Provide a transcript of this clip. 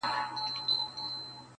• یو موږک را څه په سپینو سترګو وړی..